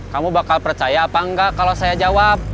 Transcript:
kamu bakal percaya apa enggak kalau saya jawab